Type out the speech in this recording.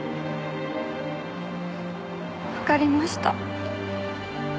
わかりました。